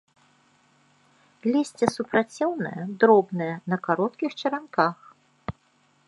Лісце супраціўнае, дробнае, на кароткіх чаранках.